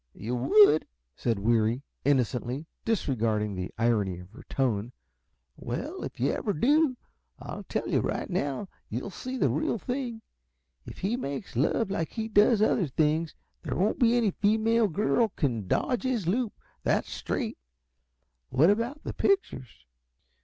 "Yuh would?" said Weary, innocently, disregarding the irony of her tone. "Well, if yuh ever do, I tell yuh right now you'll see the real thing. If he makes love like he does other things, there won't any female girl dodge his loop, that's straight. What about the pictures?"